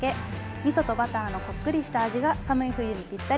みそとバターのこっくりした味が寒い冬にぴったり。